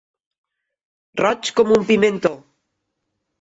Roig com un pimentó.